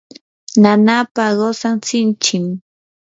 nanaapa qusan sinchim.